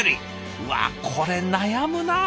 うわこれ悩むな。